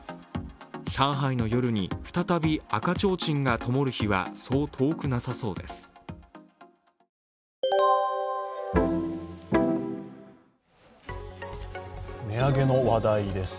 上海の夜に再び赤ちょうちんがともる日はそう遠くなさそうです。